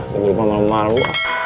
bu guru mau malu malu